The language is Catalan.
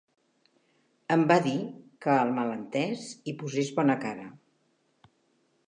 Em va dir que al malentès hi posés bona cara.